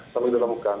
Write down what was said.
sampai kita temukan